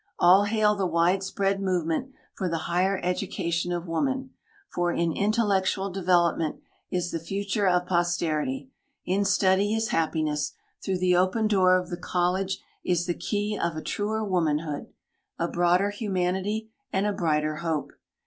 All hail the widespread movement for the higher education of woman, for in intellectual development is the future of posterity, in study is happiness, through the open door of the college is the key of a truer womanhood, a broader humanity, and a brighter hope.